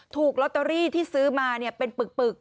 ถูกลอตเตอรี่ที่ซื้อมาเป็นปึก